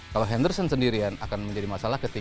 kalau henderson sendirian akan menjadi masalah